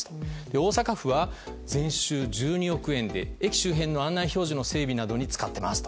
大阪府は税収１２億円で駅周辺の案内整備などに使っています。